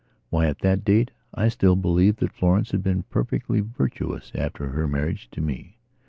Why, at that date I still believed that Florence had been perfectly virtuous after her marriage to me.